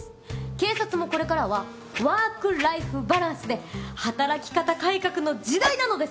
警察もこれからはワークライフバランスで働き方改革の時代なのです。